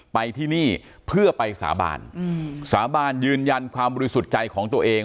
ไปที่นี่เพื่อไปสาบานสาบานยืนยันความบริสุทธิ์ใจของตัวเอง